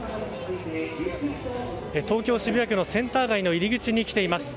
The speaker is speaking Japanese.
東京・渋谷区のセンター街の入り口に来ています。